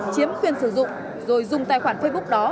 chiếm quyền sử dụng rồi dùng tài khoản facebook đó